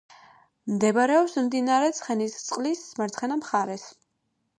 მდებარეობს მდინარე ცხენისწყლის მარცხენა მხარეს.